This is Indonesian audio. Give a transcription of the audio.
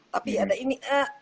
tapi ada ini